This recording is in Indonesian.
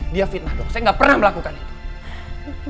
dia fitnah dong saya gak pernah melakukan itu